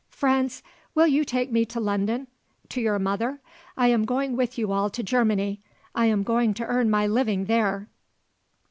Franz, will you take me to London, to your mother? I am going with you all to Germany. I am going to earn my living there."